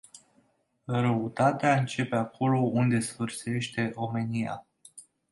Răutatea începe acolo unde sfârșește omenia.